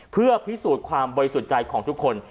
เพื่อพิสูจน์ความบริสุทธิ์ใจของทุกคน